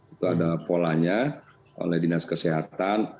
itu ada polanya oleh dinas kesehatan